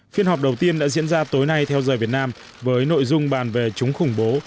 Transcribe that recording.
phiên họp đầu tiên đã diễn ra tối nay theo giờ việt nam với nội dung bàn về chống khủng bố